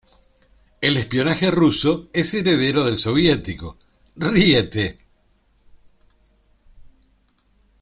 El espionaje ruso es heredero del soviético; ¡ríete!